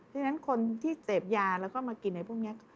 ฉะนั้นคนที่เสพยาแล้วก็มากินอะไรพวกนี้